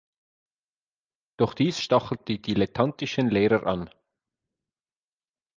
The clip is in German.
Doch dies stachelt die dilettantischen Lehrer an.